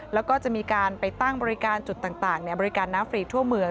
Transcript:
แล้วก็จะมีการไปตั้งบริการจุดต่างบริการน้ำฟรีทั่วเมือง